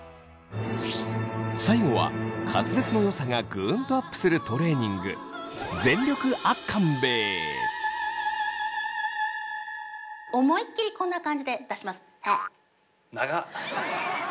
最後は滑舌の良さがグンとアップするトレーニング思いっきりこんな感じで出します。